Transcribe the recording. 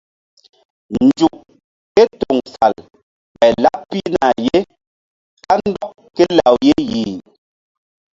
Nzuk ké toŋ fal ɓay laɓ pihna ye kandɔk ké law ye yih.